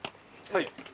はい？